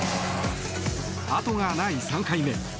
後がない３回目。